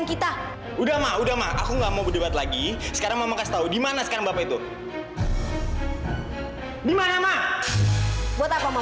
sampai jumpa di video selanjutnya